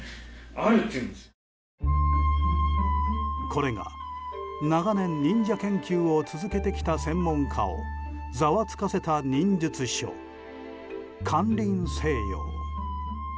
これが、長年忍者研究を続けてきた専門家をざわつかせた忍術書「間林清陽」。